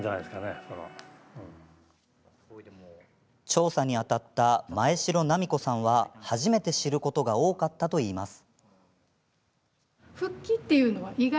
調査にあたった前城菜美子さんは初めて知ることが多かったといいます。